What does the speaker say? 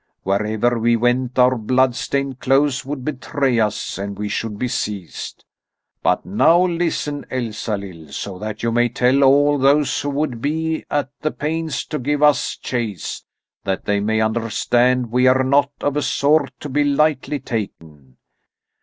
Wherever we went our bloodstained clothes would betray us and we should be seized. But now listen, Elsalill, so that you may tell all those who would be at the pains to give us chase, that they may understand we are not of a sort to be lightly taken!